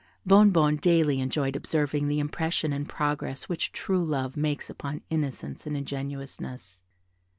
Bonnebonne daily enjoyed observing the impression and progress which true love makes upon innocence and ingenuousness.